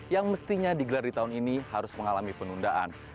yang mestinya digelar di tahun ini harus mengalami penundaan